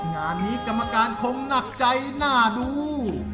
งานนี้กรรมการคงหนักใจน่าดู